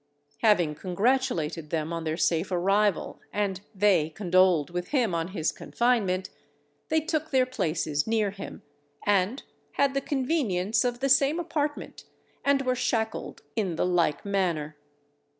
Having congratulated them on their safe arrival and they condoled with him on his confinement, they took their places near him, and had the convenience of the same apartment and were shackled in the like manner.